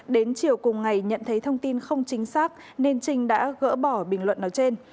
đến chiều cùng ngày nhận thấy thông tin không chính xác nên trinh đã gỡ bỏ bình luận nói trên